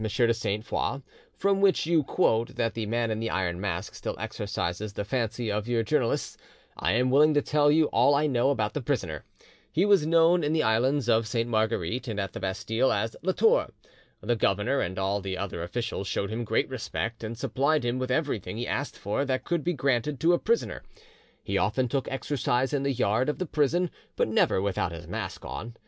de Sainte Foix from which you quote that the Man in the Iron Mask still exercises the fancy of your journalists, I am willing to tell you all I know about the prisoner. He was known in the islands of Sainte Marguerite and at the Bastille as 'La Tour.' The governor and all the other officials showed him great respect, and supplied him with everything he asked for that could be granted to a prisoner. He often took exercise in the yard of the prison, but never without his mask on.